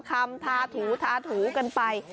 แป้งบ้างมารูปคำทาถูกันไป